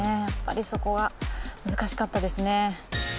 やっぱりそこは難しかったですね。